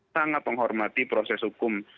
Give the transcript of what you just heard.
sangat menghormati proses hukum